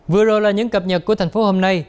vừa rồi là những cập nhật của thành phố hôm nay